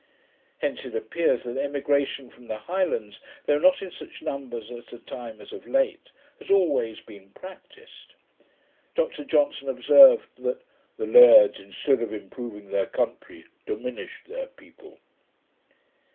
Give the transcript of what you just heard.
Hence it appears that emigration from the Highlands, though not in such numbers at a time as of late, has always been practised. Dr Johnson observed, that, 'the lairds, instead of improving their country, diminished their people'.